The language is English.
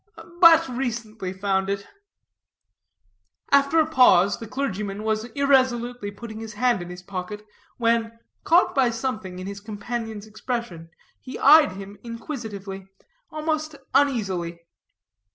"But recently founded." After a pause, the clergyman was irresolutely putting his hand in his pocket, when, caught by something in his companion's expression, he eyed him inquisitively, almost uneasily.